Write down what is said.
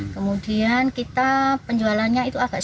kemudian kita penjualannya itu agak sedikit